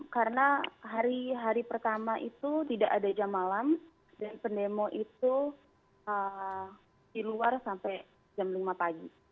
karena hari hari pertama itu tidak ada jam malam dan pendemo itu di luar sampai jam lima pagi